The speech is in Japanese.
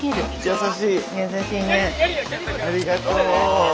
ありがとう。